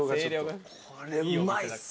これうまいっすよこれ。